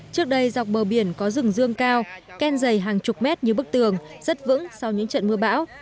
trước đây dọc bờ biển có rừng dương cao ken dày hàng chục mét như bức tường rất vững sau những trận mưa bão